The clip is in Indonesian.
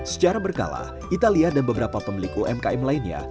secara berkala italia dan beberapa pemilik umkm lainnya